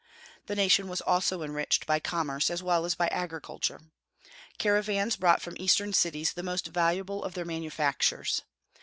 The nation was also enriched by commerce as well as by agriculture. Caravans brought from Eastern cities the most valuable of their manufactures.